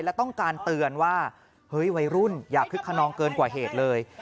และต้องการเตือนว่าเฮ้ยวัยรุ่นอย่าคึกขนองเกินกว่าเหตุเลย